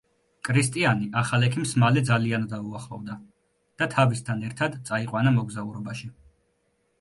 კრისტიანი ახალ ექიმს მალე ძალიან დაუახლოვდა და თავისთან ერთად წაიყვანა მოგზაურობაში.